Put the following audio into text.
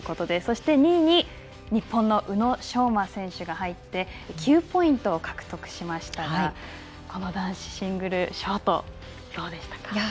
そして、２位に日本の宇野昌磨選手が入って９ポイント獲得しましたがこの男子シングルショートどうでしたか。